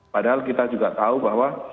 padahal kita juga tahu bahwa